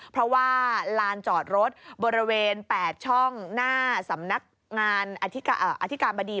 เพราะว่าลานจอดรถบริเวณ๘ช่องหน้าสำนักงานอธิการบดี